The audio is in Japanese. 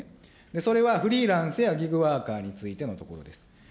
それはフリーランスやギグワーカーについてのところです。